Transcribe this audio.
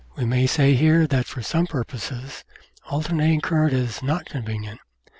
We may say here that for some purposes alternating current is not convenient.